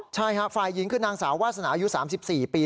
ใช่ค่ะฝ่ายหญิงคือนางสาววาสนาอายุ๓๔ปี